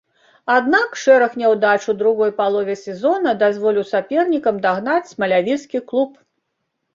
Аднак, шэраг няўдач у другой палове сезона дазволіў сапернікам дагнаць смалявіцкі клуб.